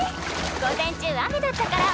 午前中雨だったから。